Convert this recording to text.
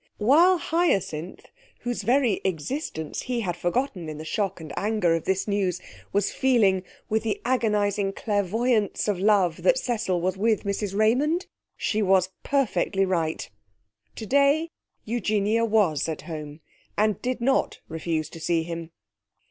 While Hyacinth, whose very existence he had forgotten in the shock and anger of this news, was feeling, with the agonising clairvoyance of love, that Cecil was with Mrs Raymond, she was perfectly right. Today Eugenia was at home, and did not refuse to see him.